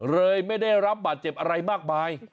เลยไม่ได้รับบาดเจ็บอะไรมากไป